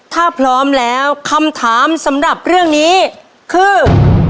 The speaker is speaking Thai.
ถ้าพร้อมแล้วคำถามสำหรับเรื่องนี้คือ